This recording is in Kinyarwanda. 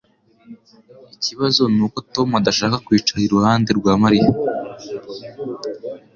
Ikibazo nuko Tom adashaka kwicara iruhande rwa Mariya